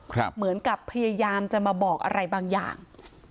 เหมือนกับพยายามจะมาบอกอะไรบางอย่าง